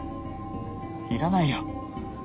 いらないよ